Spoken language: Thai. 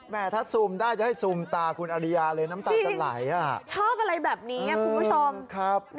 แม่ถ้าซูมได้จะให้ซูมตาคุณอริยาเลยน้ำตาจะไหลชอบอะไรแบบนี้คุณผู้ชมครับ